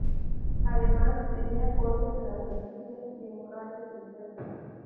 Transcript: Además, tenía cortes en las mejillas y hemorragias internas.